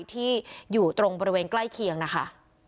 ที่อยู่ตรงบริเวณใกล้เคียงนะคะ